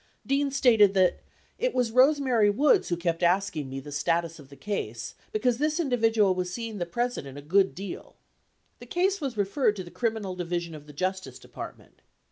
Dean stated that "it was Rose Mary Woods who kept asking me the status of the case because this individual was seeing the President a good deal." The case was referred to the Criminal Division of the Justice Department.